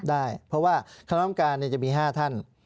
ได้เพราะว่าคณะกรรมการจะมี๕ท่าน